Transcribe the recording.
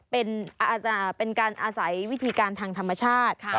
เป็นการอาศัยวิธีการทางธรรมชาติ